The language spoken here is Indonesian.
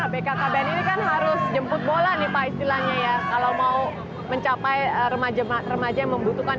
bkkbn ini kan harus jemput bola nih pak istilahnya ya kalau mau mencapai remaja remaja yang membutuhkan